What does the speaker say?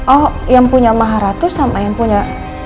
oh yang punya maharatu sama yang punya